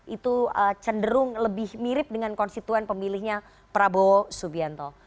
itu cenderung lebih mirip dengan konstituen pemilihnya prabowo subianto